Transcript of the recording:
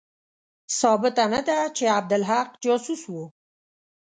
ثابته نه ده چې عبدالحق جاسوس وو.